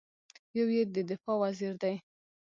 یو یې د دفاع وزیر دی.